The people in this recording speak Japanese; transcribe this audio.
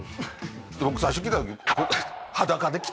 僕最初来た時に。